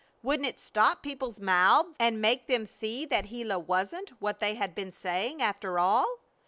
Wouldn't it stop people's mouths and make them see that Gila wasn't what they had been saying, after all?